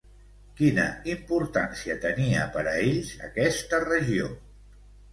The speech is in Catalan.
Quina importància tenia per a ells aquesta regió?